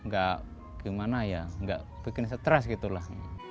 gak gimana ya nggak bikin stres gitu lah